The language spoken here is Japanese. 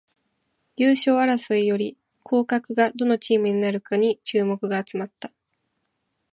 優勝争いより降格がどのチームになるかに注目が集まった